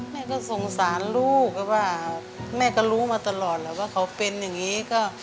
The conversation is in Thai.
แม่ก็สงสารลูกว่าแม่ก็รู้มาตลอดแหละว่าเขาเป็นอย่างนี้